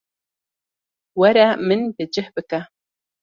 Were min bi cih bike.